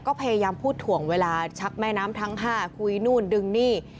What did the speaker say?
ก็พยายามพูดถ่วงเวลาชักแม่น้ำทั้ง๕คุยนู่นดึงนี่